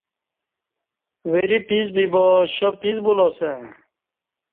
وری پیس بیبا شاپیس بولاسسݩع